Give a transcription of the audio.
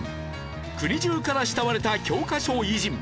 国中から慕われた教科書偉人。